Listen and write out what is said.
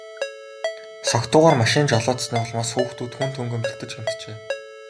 Согтуугаар машин жолоодсоны улмаас хүүхдүүд хүнд хөнгөн бэртэж гэмтжээ.